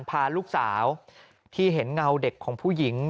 พาลูกสาวที่เห็นเงาเด็กของผู้หญิง